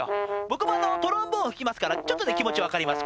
僕もトロンボーンをひきますからちょっとね気持ち分かります